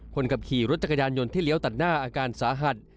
คนขับขี่รถจักรยานยนต์ที่เลี้ยวตัดหน้าอาการสาหัส